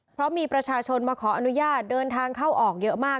เพราะมีประชาชนมาขออนุญาตเดินทางเข้าออกเยอะมาก